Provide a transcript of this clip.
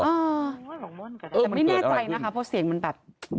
เออแต่ไม่แน่ใจนะคะเพราะเสียงมันแบบ